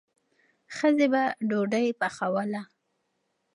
ښځې به ډوډۍ پخوله.